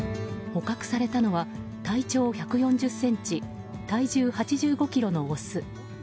捕獲されたのは体長１４０ｃｍ体重８５ｋｇのオス。